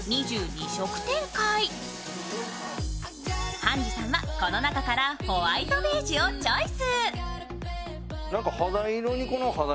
ｈａｎｊｅｅさんはこの中からホワイトベージュをチョイス。